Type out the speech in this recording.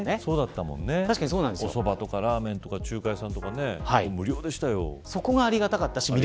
おそばとかラーメンとか中華屋さんとかね無料でしたよ。